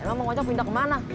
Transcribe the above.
emot mau ngonjol pindah kemana